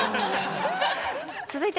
続いて。